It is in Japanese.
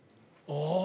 ああ！